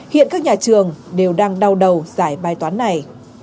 hiện các nhà trường đều đang đau đầu giải bài toán này